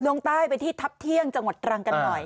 ลงใต้ไปที่ทัพเที่ยงจังหวัดตรังกันหน่อย